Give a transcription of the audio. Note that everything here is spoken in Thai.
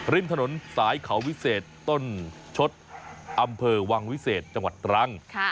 ริมถนนสายเขาวิเศษต้นชดอำเภอวังวิเศษจังหวัดตรัง